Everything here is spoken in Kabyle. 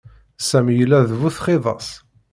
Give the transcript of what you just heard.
Sami yella d bu txidas.